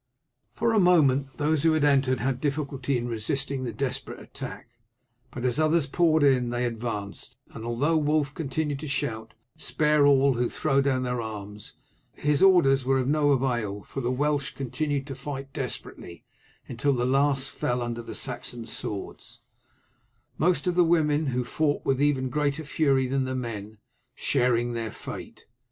For a moment those who had entered had difficulty in resisting the desperate attack, but as others poured in they advanced, and although Wulf continued to shout, "Spare all who throw down their arms," his orders were of no avail, for the Welsh continued to fight desperately until the last fell under the Saxon swords, most of the women, who fought with even greater fury than the men, sharing their fate.